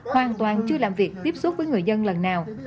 hoàn toàn chưa làm việc tiếp xúc với người dân lần nào